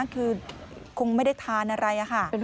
คือคงไม่ได้ทานอะไรค่ะ